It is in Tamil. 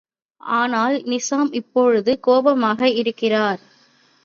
ஆனால், நிசாம் இப்பொழுது கோபமாக இருக்கிறார்.